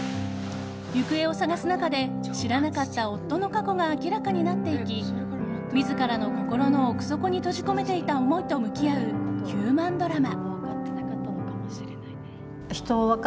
行方を捜す中で知らなかった夫の過去が明らかになっていき自らの心の奥底に閉じ込めていた思いと向き合うヒューマンドラマ。